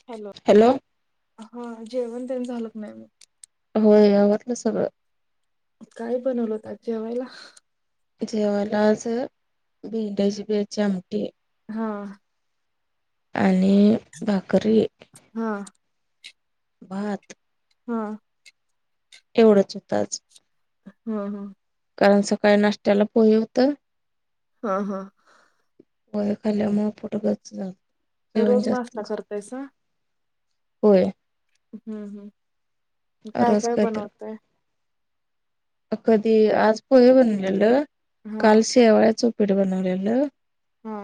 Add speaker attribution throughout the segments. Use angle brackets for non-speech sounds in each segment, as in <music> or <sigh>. Speaker 1: Hello,
Speaker 2: hello,
Speaker 1: होय, जेवण तेन झालं काय नाही?
Speaker 2: होय, आवरले सगळं.
Speaker 1: काय बनवलं होत आज जेवायला?
Speaker 2: जेवायला आज भेंड्या, जिबेची आमटी ये.
Speaker 1: हा,
Speaker 2: आणि भाकरी,
Speaker 1: हा
Speaker 2: भात.
Speaker 1: हा,
Speaker 2: एवढंच होतं आज.
Speaker 1: हं, हं.
Speaker 2: कारण सकाळी नाष्टाला पोयं होतं.
Speaker 1: हा- हा.
Speaker 2: वय खाल्ल्यामुळे फट गच जेवण
Speaker 1: रोज
Speaker 2: जास्त
Speaker 1: नाश्ता करतायसा?
Speaker 2: होय.
Speaker 1: हम्म हम् काय
Speaker 2: रोज
Speaker 1: काय
Speaker 2: काहीतरी
Speaker 1: बनवतय.
Speaker 2: कधी आज पोहे बनवलेलं
Speaker 1: हा
Speaker 2: काल शेवळ्याचं उपीठ बनवलेलं.
Speaker 1: हा.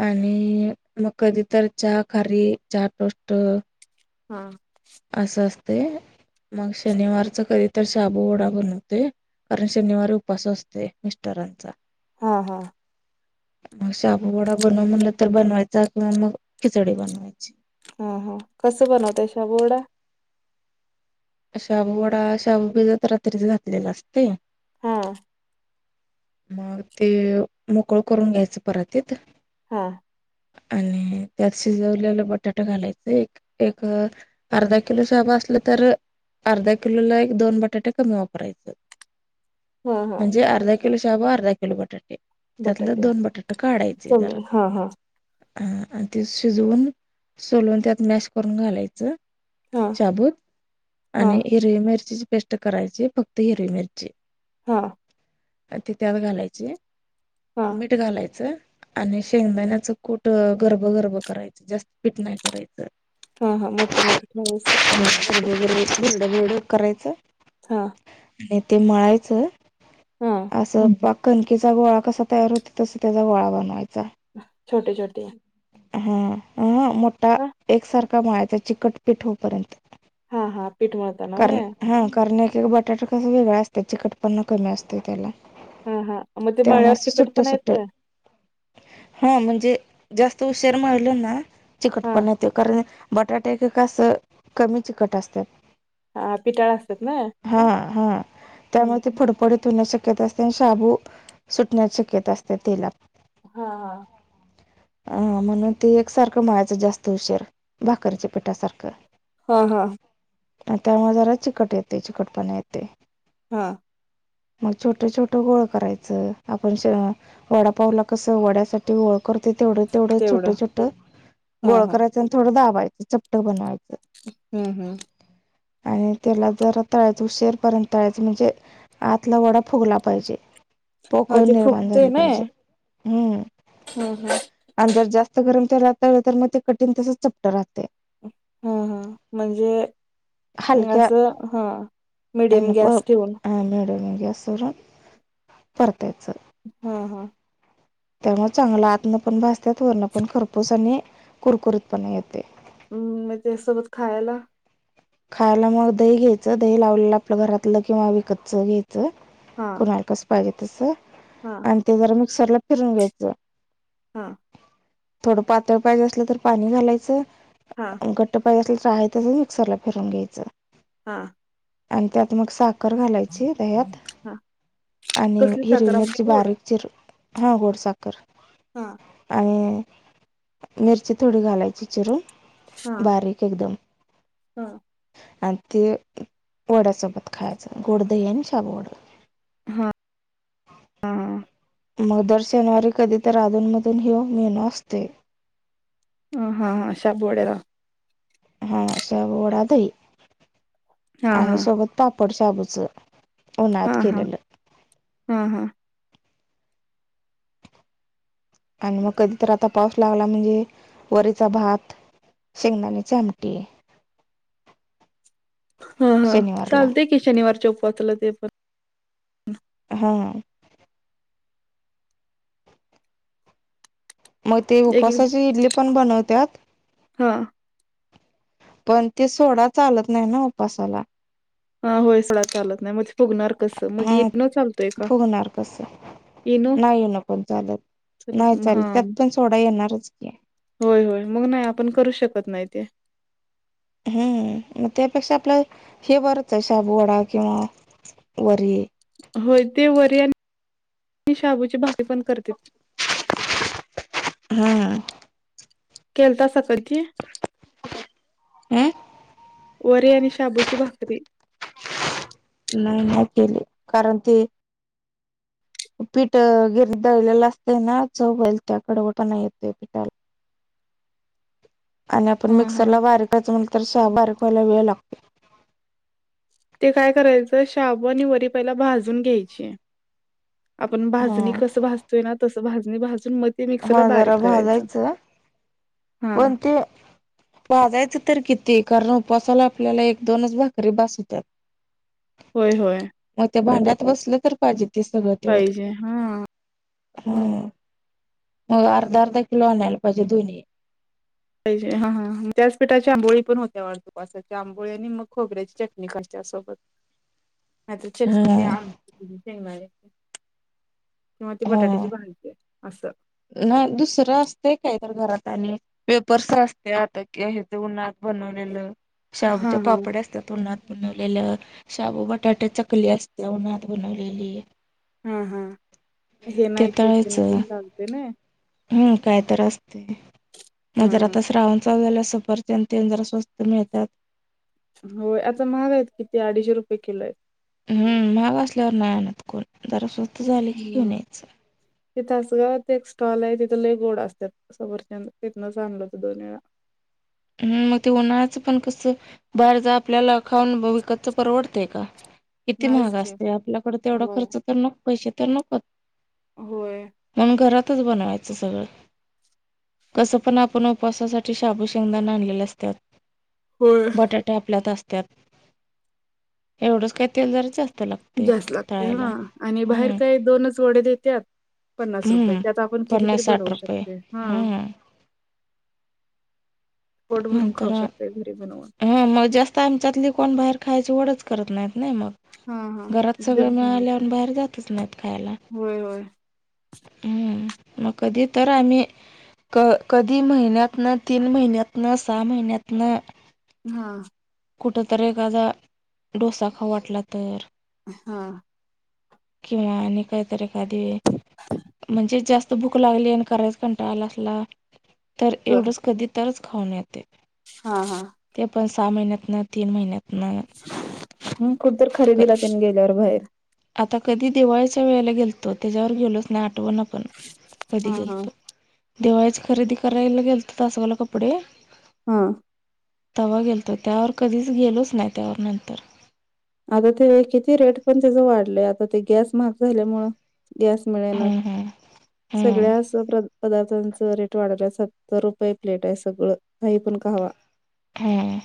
Speaker 2: आणि मग कधी तर चहा खारी चहा टोस्ट
Speaker 1: हा.
Speaker 2: असं असते मग शनिवारचा कधी तर शाबूवडा बनवते. अरण शनिवारी उपास असते मिस्टरांचा
Speaker 1: हा हा.
Speaker 2: मग शाबू वडा बनव म्हणलं तर बनवायचा किंवा मग खिचडी बनवायची.
Speaker 1: ह हा कसं बनवता शाबू वडा
Speaker 2: शाबू वडा शाबू भिजत रात्रीच घातलेलं असते.
Speaker 1: हा.
Speaker 2: मग ते मोकळ करून घ्यायचं परातीत.
Speaker 1: हा.
Speaker 2: आणि त्यात शिजवलेला बटाटा घालायचं एक एक अर्धा किलो शाबू असलं तर. अर्धा किलोला एक दोन बटाटे कमी वापरायचे
Speaker 1: हा हा
Speaker 2: म्हणजे अर्धा किलो शाबू अर्धा किलो बटाटे त्यातले
Speaker 1: बटाटे
Speaker 2: दोन बटाटे काढायचे
Speaker 1: कमी
Speaker 2: जरा
Speaker 1: हा हा
Speaker 2: हा आणि ते शिजवून सोलून त्यात मॅश करून घालायचं.
Speaker 1: हा.
Speaker 2: शबूत
Speaker 1: हा
Speaker 2: आणि हिरवी मिरचीची पेष्ट करायची फक्त हिरवी मिरची.
Speaker 1: हा.
Speaker 2: त त्यात घालायची
Speaker 1: हा
Speaker 2: मीठ घालायचं. आणि शेंगदाण्याच कूठ गर्भगर्भ करायचं जास्त पिठ नाही करायचं.
Speaker 1: हा हा मोठ मोठ प्रस
Speaker 2: <inaudible>
Speaker 1: ह.
Speaker 2: आणि ते मळायचं
Speaker 1: हा
Speaker 2: असं बा कणकेचा गोळा कसा तयार होतो तसा त्याचा गोळा बनवायचा.
Speaker 1: छोटे छोटे.
Speaker 2: हा ह मोठा
Speaker 1: हा
Speaker 2: एकसारखा माळायाचं चिकटपीठ होपर्यंत
Speaker 1: हा हा पीठ मळताना
Speaker 2: कर
Speaker 1: व्हय
Speaker 2: हा करणे क बटाटा तसं वेगळं असत चिकटपन्ना कमी असतं त्याला
Speaker 1: हा हा मग ते
Speaker 2: त्यामुळे
Speaker 1: मळ्यावर
Speaker 2: असं
Speaker 1: चिकट
Speaker 2: सुट्ट
Speaker 1: पणा
Speaker 2: सुट्ट
Speaker 1: येतोय
Speaker 2: हा म्हणजे जास्त हुशार मळल ना
Speaker 1: हा
Speaker 2: चिकटपण येत कारण बटाटे एक कसं कमी चिकट असतात.
Speaker 1: हा पिटाळ असतात ना
Speaker 2: हा हा त्यामुळे पडी धुण्या शक्यता असते आणि शाबू सुटण्याची शक्यता असते तेलात
Speaker 1: हा हा.
Speaker 2: <unintelligible> अ म्हणून ते एक सारखं माळायचं जास्त उशिर भाकररीच्या पिठासारखं.
Speaker 1: हा हा.
Speaker 2: त्यामुळे जरा चिकट येते चिकटपणा येते
Speaker 1: हा.
Speaker 2: मग छोट छोटं गोळ करायचं आपण वडापावला कसं वड्यासाठी गळ करते तेवढं तेवढं छोटं छोट
Speaker 1: हा
Speaker 2: गोळ
Speaker 1: हा
Speaker 2: करायचं आणि थोडं दाबायचं चपट बनवायचं
Speaker 1: हम्म हम्म,
Speaker 2: आणि त्याला जर तळायच उशीरपर्यंत तळायचं म्हणजे आतला वडा फुगला पाहिजे
Speaker 1: हा
Speaker 2: पोकळून
Speaker 1: ते
Speaker 2: निर्माण
Speaker 1: फुगते
Speaker 2: झाली
Speaker 1: ना
Speaker 2: पाहिजे हम्म
Speaker 1: हा हा
Speaker 2: आणि जर जास्त गरम तेला आ तर मग ते कठीण तस चप्ट राहते,
Speaker 1: हम हा म्हणजे
Speaker 2: हलक्या
Speaker 1: असं हा मीडियम गॅस ठेवून
Speaker 2: हा मिडीयम गॅसवरून परतायचं,
Speaker 1: हा हा,
Speaker 2: त्यामुळे चांगलं आतनं पण भासते वरणं पण खरपूस आणि कुरकुरीत पण येते
Speaker 1: हम् म त्या सोबत खायला
Speaker 2: खायला मग दही घ्यायचं दही लावलेलं आपलं घरातलं किंवा विकतच घ्यायचं
Speaker 1: हा
Speaker 2: कुणाला कसं पाहिजे तसं
Speaker 1: हा.
Speaker 2: आणि ते जरा मिक्सरला फिरून घ्यायचं,
Speaker 1: हां.
Speaker 2: थोडं पातळ पाहिजे असलं तर पाणी घालायचं
Speaker 1: हा.
Speaker 2: घट्ट पाय असल तर आहेहच मिक्सरला फिरून घ्यायचं
Speaker 1: हा.
Speaker 2: आणि त्यात मग साख साकर घालायची दह्यात
Speaker 1: हा
Speaker 2: आणि
Speaker 1: कसली
Speaker 2: हिरवी
Speaker 1: साखर आपली
Speaker 2: मिरची
Speaker 1: गोड
Speaker 2: बारीक चिर हा गोडसाखर
Speaker 1: हा.
Speaker 2: आणि मिरची थोडी घालायची चिरून
Speaker 1: हा
Speaker 2: बारीक एकदम,
Speaker 1: हा.
Speaker 2: आणि ते ड्यासोबत खायचं गोडदही आणि शाबू वडे
Speaker 1: हां हां
Speaker 2: मग दर शनिवारी कधी तर अधूनमधून हि मेनो असते,
Speaker 1: अ हा हा सब वडला <unintelligible>
Speaker 2: हा शाबू वडा दही
Speaker 1: हा हा
Speaker 2: आणि सोबत पापड शाबूचं
Speaker 1: हा
Speaker 2: उन्हाळ्यात
Speaker 1: हा
Speaker 2: केलेलं
Speaker 1: हा हा,
Speaker 2: आणि मग कधी तर आता पाऊस लागला म्हणजे वरचा भात शेंगदाणेची आमटी आहे.
Speaker 1: हा हा चालतेय की शनिवारच्या उपसाला ते पण
Speaker 2: हा, मग ते
Speaker 1: एक एक
Speaker 2: उपासाची इडली पण बनवतात
Speaker 1: हा.
Speaker 2: पण ते सोडा चालत नाही ना उपासाला
Speaker 1: हा होय सगडा चालत नाही मग फुगणार कसं मग
Speaker 2: हा
Speaker 1: येन चालतोय का
Speaker 2: फुगणार कसं
Speaker 1: इनो
Speaker 2: नाहीय नसून चालत, नाही चालत त्यात पण सोडा येणारच की
Speaker 1: होय, होय मग नाही आपण करू शकत नाही ते
Speaker 2: हम्म, मग त्यापेक्षा आपलं हे बरच हाय, शाबू वडा किंवा वरी.
Speaker 1: होय ते वरी आन शाबूची भाकरी पण करतेत
Speaker 2: हां
Speaker 1: केलतासा कडकी?
Speaker 2: <unintelligible>
Speaker 1: वरी आणि शाबूची भाकरी.
Speaker 2: नाही नाही केली कारण ते पीठ गिर, दळलेलं असतय ना, चव होईल त्या कडवटा नाही येतय पीठाला. आणि आपण
Speaker 1: हा हा
Speaker 2: मिक्सरला बारीककाच म्हण तर सहा बारीक व्हायला वेळ लागतय
Speaker 1: ते काय करायचं शाबू आणि वरी पहिला भाजून घ्यायची. आपण भाजणी
Speaker 2: हा
Speaker 1: कसं भाजतोय ना, तसं भाजणी भाजून मते मिक्सरला
Speaker 2: हा
Speaker 1: बारीक
Speaker 2: जरा
Speaker 1: करायचं.
Speaker 2: भाजायचं
Speaker 1: हा
Speaker 2: पण ते भाजायचं तर किती, कारण उपवासाला आपल्याला एक दोनच भाकरी बास हुत्यात. <unintelligible>
Speaker 1: होय होय
Speaker 2: मग ते भांड्यात बसलं तर पाहिजे ते सगळं तेवढं
Speaker 1: पाहिजे हा
Speaker 2: हा मग अर्धा, अर्धा किलो आणायला पाहिजे दोन्ही ही
Speaker 1: पाहिजे, हा हा त्याच पीठाची आंबोळी पण होत्या <unintelligible> आंबोळी आणि मग खोबऱ्याची चटणी खा त्यासोबत <unintelligible>
Speaker 2: हा
Speaker 1: किंवा ती बटाट्याची भाजी असं
Speaker 2: नाही दुसरं असतय कायतर घरात आणि पेपर्स असत्यात आता की हे च उन्हात बनवलेलं,
Speaker 1: हा
Speaker 2: शाबूच्या
Speaker 1: हा
Speaker 2: पापड्या असत्यात उन्हात बनवलेलं, शाबू, बटाटे, चकली असतीया उन्हात बनवलेली.
Speaker 1: हा, हा हे
Speaker 2: ते
Speaker 1: नाही तेथे नाही, हे चालतय नयी
Speaker 2: हम् काय तर असतय म
Speaker 1: हा हा.
Speaker 2: घरातच राहून त्या वेळेला सफरचंद तेन जरा स्वस्त मिळतात.
Speaker 1: होय आता महाग आहेत किती अडीचशे रुपये किलो हाय.
Speaker 2: हम्म, महाग असल्यावर नाही आणत कोण, जरा स्वस्त झाले की घेऊन यायचं.
Speaker 1: तिथ तासगावात एक स्टॉल हाय तिथ लय गोड असत्यात सफरचंद तिथनंच आणल होत दोन वेळा.
Speaker 2: हम्, मग ते उन्हाळचं पण कसं बाहेरच आपल्याला खाऊन, विकतच परवडतंय का? किती
Speaker 1: नाहीच
Speaker 2: महाग
Speaker 1: की
Speaker 2: असतय, आपल्याकड तेवढा
Speaker 1: होय.
Speaker 2: खर्च तर नक पैशे तर नकोत
Speaker 1: होय
Speaker 2: म्हणून घरातच बनवायचं सगळं, कस पण आपण उपावासासाठी शाबुची शेंगदाण आणलेले असत्यात,
Speaker 1: होय
Speaker 2: बटा ते आपल्यात असत्यात, एवढंच काय तेल जराचं
Speaker 1: जास्त लागतय हा आणि बाहेर
Speaker 2: हम्म,
Speaker 1: काय दोनच वडे देत्यात. पन्नास रुपये
Speaker 2: हम्म.
Speaker 1: त्यात आपण कितीतरी
Speaker 2: पन्नास साठ
Speaker 1: बनवू
Speaker 2: रुपये.
Speaker 1: शकतोय. हा
Speaker 2: हम्म,
Speaker 1: पोट भरून खाऊ शकतोय घरी बनवून
Speaker 2: हा मग जास्त आमच्यातली कोण बाहेर खायची वढंच करत नाहीत, नही
Speaker 1: हा हा.
Speaker 2: मग घरात सगळं
Speaker 1: तेच बनवते.
Speaker 2: मिळाळ्यावर बाहेर जातच नाहीत खायाला.
Speaker 1: होय होय
Speaker 2: हम् मग कधी तर आम्ही कधी महिन्यात न तीन महिन्यात, - न सहा महिन्यातन
Speaker 1: हा.
Speaker 2: कुठंतरी एखादा डोसा खावु वाटला तर.
Speaker 1: हा.
Speaker 2: किंवा आणि काहीतरी एखादीे म्हणजे जास्त भूक लागली, आणि करायच कंटाळा आला असला तर एवढंच कधी तरच खाऊन येते.
Speaker 1: हा हा.
Speaker 2: ते पण सहा महिन्यात न, तीन महिन्यात न.
Speaker 1: हम कुठ तर खरेदीला तेन गेल्यावर बाहेर.
Speaker 2: आता कधी दिवाळीच्या वेळेला गेलतो त्याच्यावर गेलोच नाही आठवणा पण तरी
Speaker 1: हा हा
Speaker 2: गेलतो दिवाळीच खरेदी करायला गेलतो तासगाव ला कपडे
Speaker 1: हा.
Speaker 2: तवा गेलतो त्यावर कधीच गेलोच नाही त्यावर नंतर.
Speaker 1: आगं ते किती रेट पण त्याचं वाढलंय, आता ते गॅस महाग झाल्यामुळं. गॅस मिळेनात.
Speaker 2: हम्म हम्म हम्म
Speaker 1: सगळ्या असं पदार्थांच रेट वाढलेत सत्तर रुपये प्लेट आहे सगळं. काहीपण खावा?
Speaker 2: हा.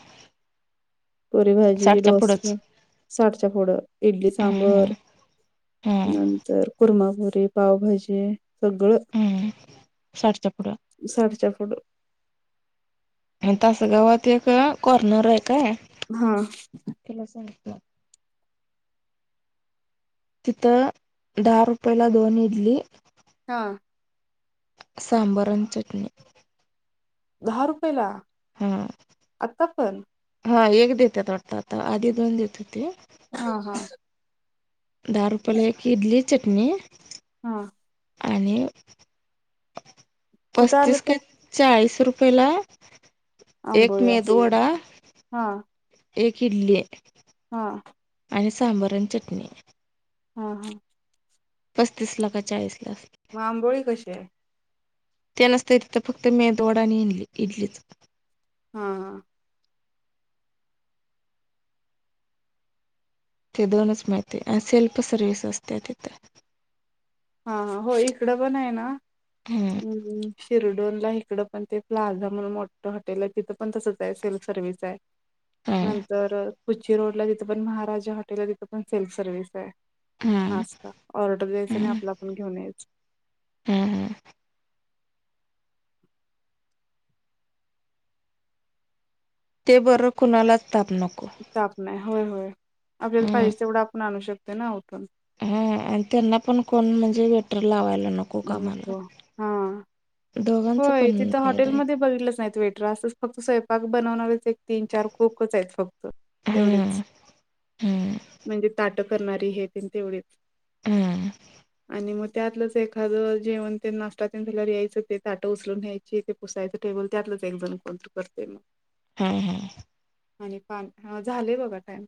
Speaker 1: पुरी भाजी,
Speaker 2: पुढंच
Speaker 1: डोसा. साठच्या पुढ इडली सांबर
Speaker 2: हम्म हम्म हम्म
Speaker 1: तर कुरमापुरी, पावभाजी सगळं.
Speaker 2: हं साठच्या पुढं.
Speaker 1: साठच्या पुढं.
Speaker 2: तासगावात एक कॉर्नर आहे काय?
Speaker 1: हा.
Speaker 2: तिला सांगितलं. तिथं दहा रुपयला दोन इडली
Speaker 1: हा.
Speaker 2: सांबार आणि चटणी.
Speaker 1: दहा रुपयेला.
Speaker 2: हा
Speaker 1: आता पण
Speaker 2: हा एक देत्यात वाटतं आता आधी दोन देत हुती.
Speaker 1: ह हा.
Speaker 2: दहा रुपयला एक इडली चटणी
Speaker 1: हा.
Speaker 2: आणि
Speaker 1: कुठे आलं
Speaker 2: पस्तीस काय
Speaker 1: ते
Speaker 2: चाळीस रुपयेला एक
Speaker 1: आंबोळी
Speaker 2: मेदू
Speaker 1: असं
Speaker 2: वडा
Speaker 1: हा
Speaker 2: एक इडली आहे.
Speaker 1: हा.
Speaker 2: आणि सांबर आणि चटणी.
Speaker 1: हा हा.
Speaker 2: पस्तीसला का चाळीसला असल.
Speaker 1: मं आंबोळी कशी हाय?
Speaker 2: ते नसत तिथं फक्त मेदू वडा आणि इले इडलीच.
Speaker 1: हां.
Speaker 2: ते दोनच माहिती हाय अ सेल्फ सर्व्हिस असतीया तिथं.
Speaker 1: हां हां होय इकडं पण हाय ना हम्म हम्म. शिरढोणला हिकडं पण ते प्लाझा म्हणून मोठं हॉटेल आहे तिथं पण तसंच हाय सेल्फ सर्व्हिस हाय.
Speaker 2: हम्म
Speaker 1: नंतर कुची रोड ला तिथं पण महाराजा हॉटेल हाय तिथं पण सेल्फ सर्व्हिस हाय.
Speaker 2: हम्म
Speaker 1: नाश्ता, ऑर्डर द्यायचा आणि
Speaker 2: हम्म
Speaker 1: आपला आपण घेऊन यायचं.
Speaker 2: हम्म. ते बर कुणालाच ताप नको.
Speaker 1: ताप नाय होय होय, आपल्याला
Speaker 2: हम्म
Speaker 1: पाहिजे तेवढं आपण आणू शकतो ना उठून.
Speaker 2: हा आणि त्यांना पण कोण म्हणजे वेटर लावायला न
Speaker 1: नको हा,
Speaker 2: दोघांचा
Speaker 1: होय
Speaker 2: पण
Speaker 1: तिथं
Speaker 2: फायदा आहे
Speaker 1: हॉटेलमध्ये बघितलसा व्हय वेटर असच. फक्त स्वयंपाक बनवणारच आहे फक तीन चार कुकच आहेत फक्त
Speaker 2: हम्म
Speaker 1: तेवढेच,
Speaker 2: हम्म
Speaker 1: म्हणजे ताट ट करणारी हे तेन तेवढीच.
Speaker 2: हम्म.
Speaker 1: आणि म त्यातलच एक. एखादं जेवण तेन नाश्ता तेन तिला द्यायचं ते ताटं उचलून न्यायची ते पुसायचं टेबल त्यातलंच एक जण. कोण तू करतंय म.
Speaker 2: हम्म
Speaker 1: आणि पान हं झालंय बघा टाईम.